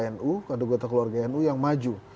ada satu lagi anggota keluarga nu yang maju